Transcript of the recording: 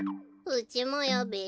うちもよべ。